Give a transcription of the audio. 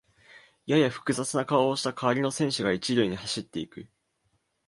やや複雑な顔をした代わりの選手が一塁に走っていく